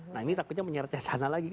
nah ini takutnya menyeretnya sana lagi